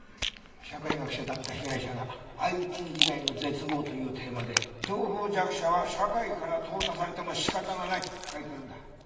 社会学者だった被害者が「ＩＴ時代の絶望」というテーマで情報弱者は社会から淘汰されても仕方がないと書いてるんだ。